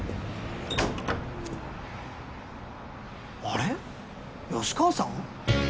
あれっ吉川さん？